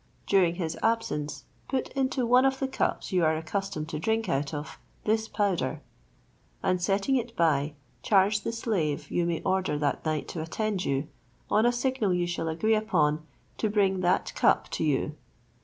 During his absence, put into one of the cups you are accustomed to drink out of this powder, and setting it by, charge the slave you may order that night to attend you, on a signal you shall agree upon, to bring that cup to you.